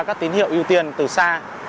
các tín hiệu ưu tiên từ xa